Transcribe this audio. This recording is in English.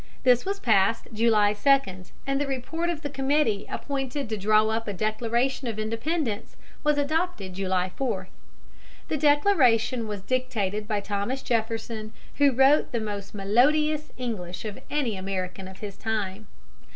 This was passed July 2, and the report of the committee appointed to draw up a Declaration of Independence was adopted July 4. [Illustration: FAC SIMILE OF DICTATION.] The Declaration was dictated by Thomas Jefferson, who wrote the most melodious English of any American of his time.